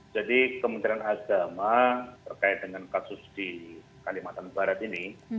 jadi kementerian agama terkait dengan kasus di kalimantan barat ini